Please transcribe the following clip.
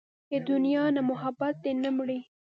د دې دنيا نه محبت دې نه مري